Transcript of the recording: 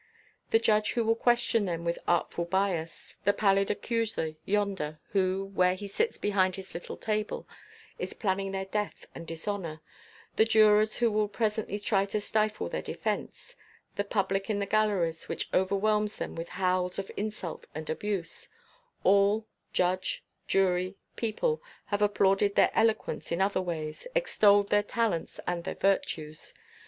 The judge who will question them with artful bias; the pallid accuser yonder who, where he sits behind his little table, is planning their death and dishonour; the jurors who will presently try to stifle their defence; the public in the galleries which overwhelms them with howls of insult and abuse, all, judge, jury, people, have applauded their eloquence in other days, extolled their talents and their virtues.